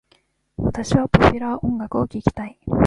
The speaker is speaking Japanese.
私はポピュラー音楽を聞きたい。